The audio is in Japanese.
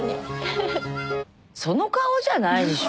その顔じゃないでしょ。